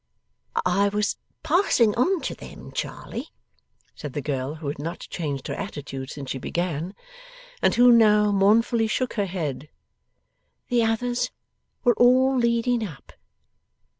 'I was passing on to them, Charley,' said the girl, who had not changed her attitude since she began, and who now mournfully shook her head; 'the others were all leading up.